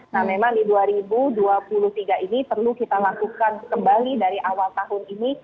nah memang di dua ribu dua puluh tiga ini perlu kita lakukan kembali dari awal tahun ini